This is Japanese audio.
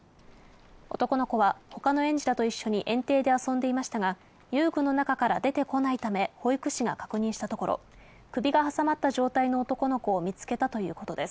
男の子はほかの園児らと一緒に園庭で遊んでいましたが、遊具の中から出てこないため、保育士が確認したところ、首が挟まった状態の男の子を見つけたということです。